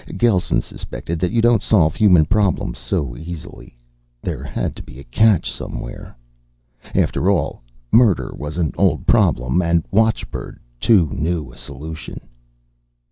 Gelsen suspected that you don't solve human problems so easily. There had to be a catch somewhere. After all, murder was an old problem, and watchbird too new a solution.